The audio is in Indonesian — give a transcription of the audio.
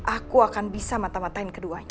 aku akan bisa mata matain keduanya